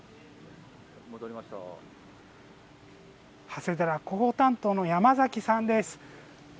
長谷寺広報担当の山崎さんです。